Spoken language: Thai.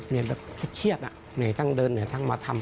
เหนื่อยแบบเชียดเหนื่อยทั้งเดินเหนื่อยทั้งมาทำ